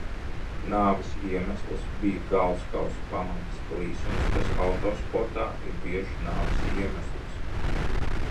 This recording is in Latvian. Nāves iemesls bija galvaskausa pamatnes plīsums, kas autosportā ir biežs nāves iemesls.